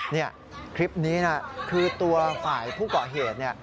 นี่คลิปนี้คือตัวฝ่ายผู้เกาะเหตุ